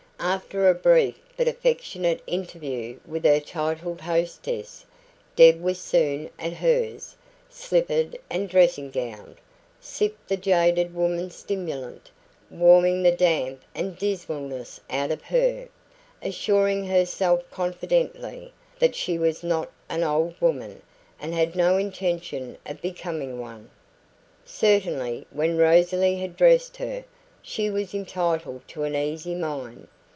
After a brief but affectionate interview with her titled hostess, Deb was soon at hers, slippered and dressing gowned, sipping the jaded woman's stimulant, warming the damp and dismalness out of her, assuring herself confidently that she was not an old woman, and had no intention of becoming one. Certainly, when Rosalie had dressed her, she was entitled to an easy mind.